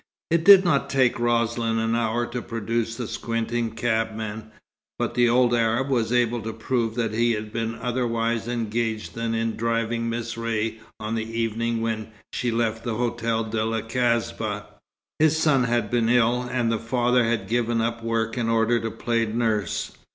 It did not take Roslin an hour to produce the squinting cabman; but the old Arab was able to prove that he had been otherwise engaged than in driving Miss Ray on the evening when she left the Hotel de la Kasbah. His son had been ill, and the father had given up work in order to play nurse.